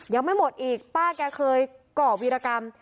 ยังไม่หมดอีกป้าแกเคยก่อวีรกรรม